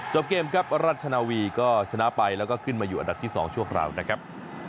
เกมครับรัชนาวีก็ชนะไปแล้วก็ขึ้นมาอยู่อันดับที่๒ชั่วคราวนะครับ